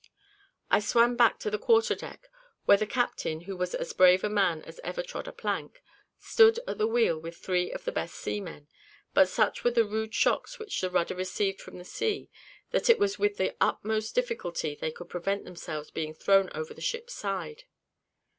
I swam back to the quarter deck, where the captain, who was as brave a man as ever trod a plank, stood at the wheel with three of the best seamen; but such were the rude shocks which the rudder received from the sea, that it was with the utmost difficulty they could prevent themselves being thrown over the ship's side.